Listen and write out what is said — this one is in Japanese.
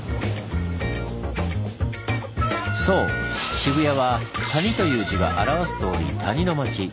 渋谷は「谷」という字が表すとおり谷の街。